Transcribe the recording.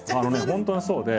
本当にそうで。